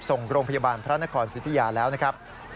ส่งโรงพยาบาลพระนครสิทธิยาแล้วนะครับ